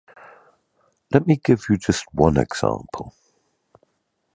Let me give just one example.